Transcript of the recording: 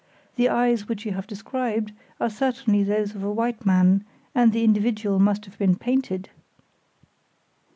The eyes which you have described are certainly those of a white man, and the individual must have been painted."